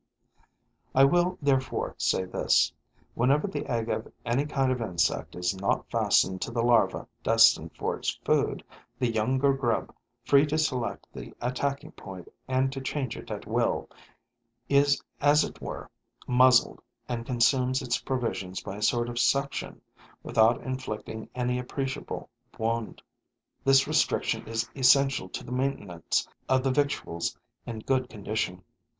I will therefore say this: whenever the egg of any kind of insect is not fastened to the larva destined for its food, the young grub, free to select the attacking point and to change it at will, is as it were muzzled and consumes its provisions by a sort of suction, without inflicting any appreciable wound. This restriction is essential to the maintenance of the victuals in good condition.